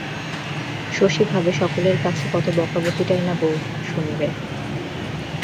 শশী ভাবে, সকলের কাছে কত বকাবকিই বৌটা না জানি শুনিবে!